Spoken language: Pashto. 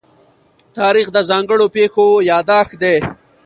تاریخ د ځانګړو پېښو يادښت دی.